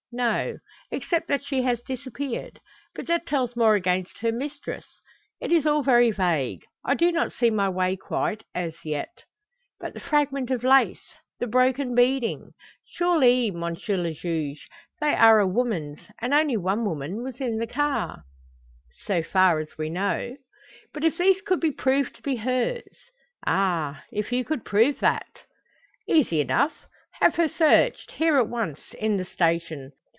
"No. Except that she has disappeared. But that tells more against her mistress. It is all very vague. I do not see my way quite, as yet." "But the fragment of lace, the broken beading? Surely, M. le Juge, they are a woman's, and only one woman was in the car " "So far as we know." "But if these could be proved to be hers?" "Ah! if you could prove that!" "Easy enough. Have her searched, here at once, in the station.